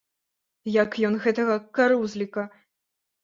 Як ён гэтага карузліка!